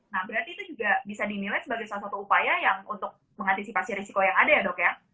nah berarti itu juga bisa dinilai sebagai salah satu upaya yang untuk mengantisipasi risiko yang ada ya dok ya